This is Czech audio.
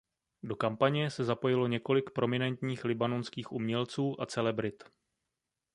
Do kampaně se zapojilo několik prominentních libanonských umělců a celebrit.